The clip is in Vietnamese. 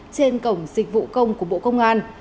trên cổng dịch vụ công của bộ công an